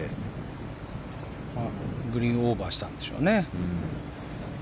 グリーンオーバーをしたんでしょうね。